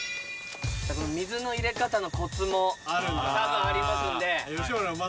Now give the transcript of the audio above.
この水の入れ方のコツも多分ありますんで吉村うま